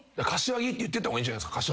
「柏木」って言ってった方がいいんじゃないっすか？